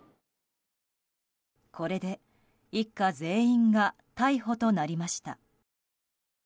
これで一家全員が逮捕となりました。